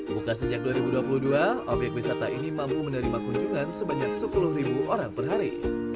buka sejak dua ribu dua puluh dua obyek wisata ini mampu menerima kunjungan sebanyak sepuluh orang per hari